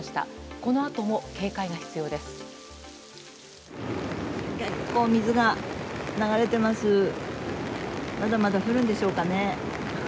このあとも警戒が必要です。